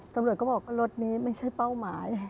ตำรวจก็บอกว่ารถนี้ไม่ใช่เป้าหมาย